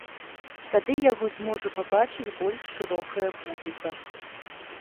Тады яго зможа пабачыць больш шырокая публіка.